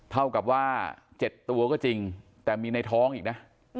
เท่ากับว่า๗ตัวก็จริงแต่มีในท้องอีกนะ